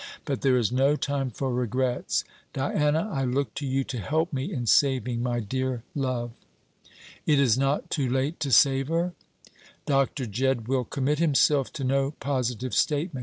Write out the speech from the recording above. But there is no time for regrets. Diana, I look to you to help me in saving my dear love." "It is not too late to save her?" "Dr. Jedd will commit himself to no positive statement.